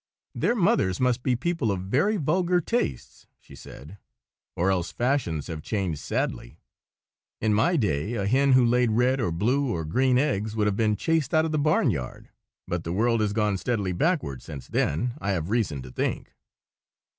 "Their mothers must be people of very vulgar tastes," she said, "or else fashions have changed sadly. In my day a hen who laid red or blue or green eggs would have been chased out of the barnyard; but the world has gone steadily backward since then, I have reason to think."